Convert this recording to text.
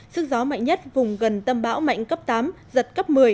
sức gió mạnh nhất vùng gần tâm bão mạnh cấp tám giật cấp một mươi